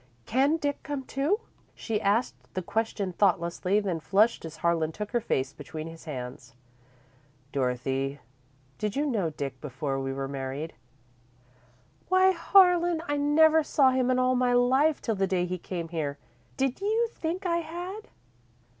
"Can Dick come, too?" She asked the question thoughtlessly, then flushed as Harlan took her face between his hands. "Dorothy, did you know Dick before we were married?" "Why, Harlan! I never saw him in all my life till the day he came here. Did you think I had?"